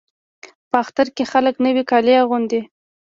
په اختر کې خلک نوي کالي اغوندي.